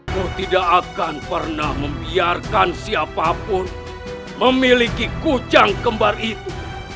kau tidak akan pernah membiarkan siapapun memiliki kucang kembar itu